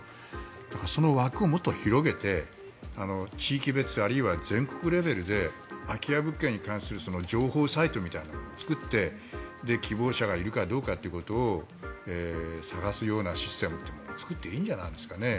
だから、その枠をもっと広げて地域別あるいは全国レベルで空き家物件に関する情報サイトみたいなのを作って希望者がいるかどうかというのを探すようなシステムというのを作ってもいいんじゃないですかね。